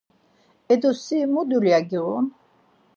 Edo sin mu dulya giğun?